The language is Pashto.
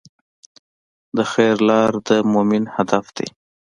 د خیر لاره د مؤمن هدف دی.